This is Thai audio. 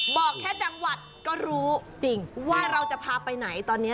บอกแค่จังหวัดก็รู้จริงว่าเราจะพาไปไหนตอนนี้